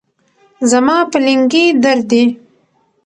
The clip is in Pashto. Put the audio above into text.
زما په لنګې درد دي